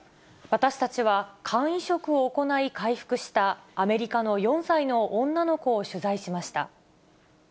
私たちは肝移植を行い回復した、アメリカの４歳の女の子を取材しました。